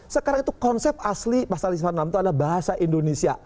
sekarang itu konsep asli bahasa lisanan itu ada bahasa indonesia